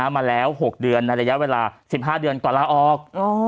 มาแล้ว๖เดือนในระยะเวลา๑๕เดือนก่อนลาออก